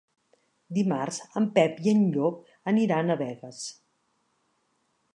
Dimarts en Pep i en Llop aniran a Begues.